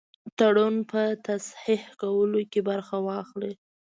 تړون په تصحیح کولو کې برخه واخلي.